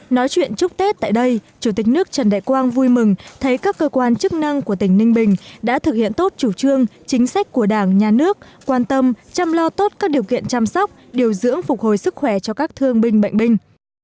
nói chuyện chúc tết tại đây chủ tịch nước trần đại quang vui mừng thấy các cơ quan chức năng của tỉnh ninh bình đã thực hiện tốt chủ trương chính sách của đảng nhà nước quan tâm chăm lo tốt các điều kiện chăm sóc điều dưỡng phục hồi sức khỏe cho các thương binh bệnh binh